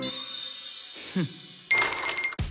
フッ。